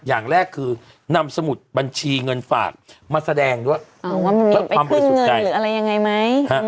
อย่างแรกคือนำสมุดบัญชีเงินฝากมาแสดงด้วยเอ่อว่ามันมีไปขึ้นเงินหรืออะไรยังไงไหม